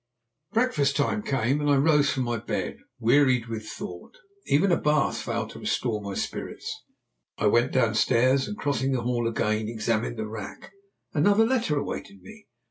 Breakfast time came, and I rose from my bed wearied with thought. Even a bath failed to restore my spirits. I went downstairs and, crossing the hall again, examined the rack. Another letter awaited me.